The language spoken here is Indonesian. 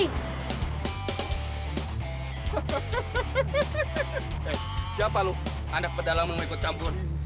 he siapa lu anda pedala mengikut campuran